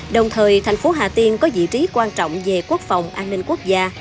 đồng thời thành phố hà tiên có vị trí quan trọng về quốc phòng an ninh quốc gia